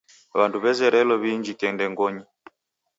W'andu wazerelo w'iinjike ndengonyi..